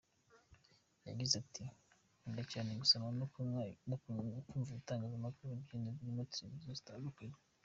Yagize ati “Nkunda cyane gusoma no kumva ibitangazamakuru byino birimo televiziyo zitandukanye.